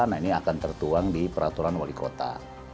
nah ini akan tertuang di peraturan wali kota